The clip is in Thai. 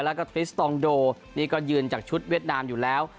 แล้วก็ทริสตองโดนี่ก็ยืนจากชุดเวียดนามอยู่แล้ว